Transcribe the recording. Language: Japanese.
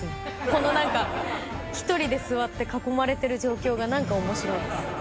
このなんか、１人で座って囲まれてる状況がなんかおもしろいです。